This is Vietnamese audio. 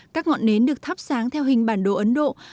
các ngọn nến được thắp sáng theo hình bản đồ ấn độ